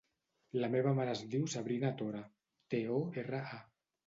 La meva mare es diu Sabrina Tora: te, o, erra, a.